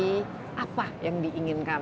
memadai apa yang diinginkan